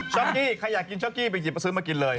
ช็อกกี้ใครอยากกินช็อกกี้ไปหยิบมาซื้อมากินเลย